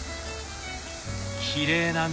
きれいな緑！